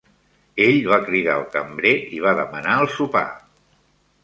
Ell va cridar el cambrer i va demanar el sopar.